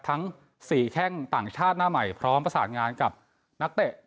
ทั้งสี่แข่งต่างชาติหน้าใหม่พร้อมประสานงานกับนักเตะแก้นหลาก